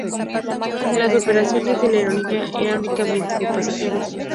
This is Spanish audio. Las operaciones de la aerolínea eran únicamente de pasajeros.